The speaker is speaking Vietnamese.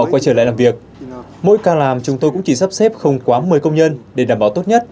quay trở lại làm việc mỗi ca làm chúng tôi cũng chỉ sắp xếp không quá một mươi công nhân để đảm bảo tốt nhất